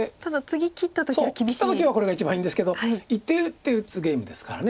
そう切った時はこれが一番いいんですけど一手一手打つゲームですから。